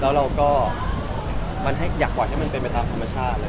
แล้วเราก็อยากให้มันเป็นไปทำธรรมชาติ